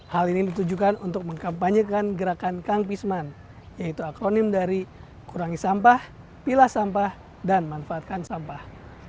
hal ini ditujukan untuk mengkampanyekan gerakan kang pisman yaitu akronim dari kurangi sampah pilah sampah dan manfaatkan sampah